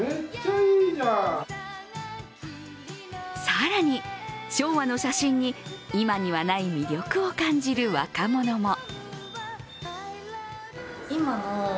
更に、昭和の写真に今にはない魅力を感じる若者も。